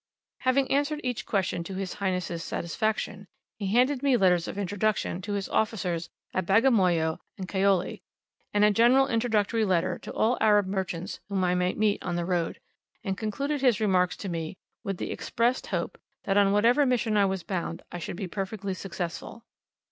Having answered each question to his Highness' satisfaction, he handed me letters of introduction to his officers at Bagamoyo and Kaole, and a general introductory letter to all Arab merchants whom I might meet on the road, and concluded his remarks to me, with the expressed hope, that on whatever mission I was bound, I should be perfectly successful.